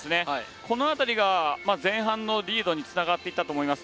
この辺りが前半のリードにつながっていったと思います。